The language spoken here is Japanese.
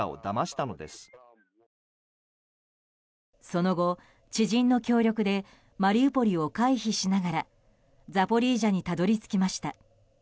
その後、知人の協力でマリウポリを回避しながらザポリージャにたどり着きました。